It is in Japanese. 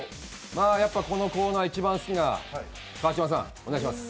やっぱこのコーナー、一番好きな川島さん、お願いします。